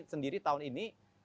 sendiri tahun ini